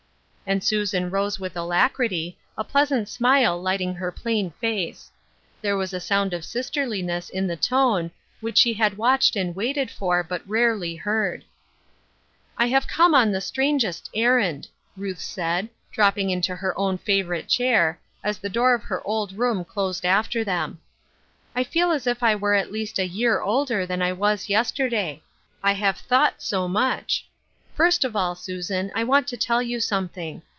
And Susan arose with alacrity, a pleasant smile lighting her plain face. There was a sound of sisterliness in the tone, which she had watched and waited for, but rarely heard. " I have come on the strangest errand," Ruth said, dropping into her own favorite chair, as the door of her old room closed after them. " I feel as if I were at least a year older than I was yesterday. I have thought so much. First of all, Susan, I want to tell you something.